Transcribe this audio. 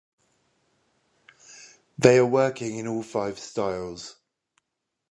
They are working in all five styles.